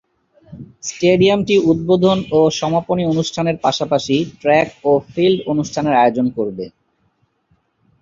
স্টেডিয়ামটি উদ্বোধন ও সমাপনী অনুষ্ঠানের পাশাপাশি ট্র্যাক ও ফিল্ড অনুষ্ঠানের আয়োজন করবে।